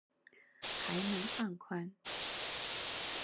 還能放寬